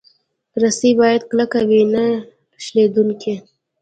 رسۍ باید کلکه وي، نه شلېدونکې.